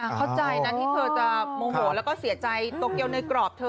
เข้าใจนะที่เธอจะโมโหแล้วก็เสียใจโตเกียวในกรอบเธอ